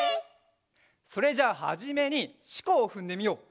それじゃはじめにしこをふんでみよう。